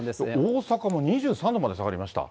大阪も２３度まで下がりました。